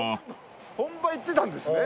本場行ってたんですね。